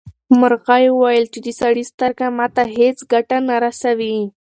مرغۍ وویل چې د سړي سترګه ماته هیڅ ګټه نه رسوي.